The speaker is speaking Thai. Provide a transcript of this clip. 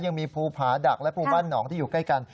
ยังมีภูผาดักและภูบ้านหนองที่อยู่ใกล้กัน